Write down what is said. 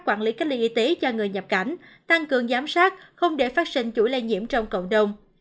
quản lý cách ly y tế cho người nhập cảnh tăng cường giám sát không để phát sinh chuỗi lây nhiễm trong cộng đồng